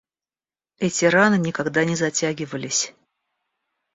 Эти раны никогда не затягивались.